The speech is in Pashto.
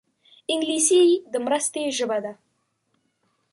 انګلیسي د مرستې ژبه ده